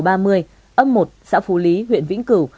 ấm một xã phú lý huyện vĩnh cửu